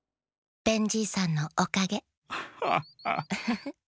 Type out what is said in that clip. ベンじいさんのおかげ。